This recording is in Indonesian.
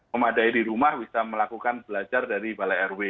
memadai di rumah bisa melakukan belajar dari balai rw